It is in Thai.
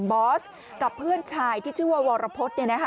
บอสกับเพื่อนชายที่ชื่อว่าวรพฤษ